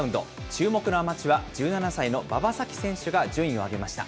注目のアマチュア、１７歳の馬場咲希選手が順位を上げました。